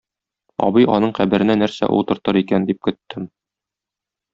Абый аның каберенә нәрсә утыртыр икән, дип көттем.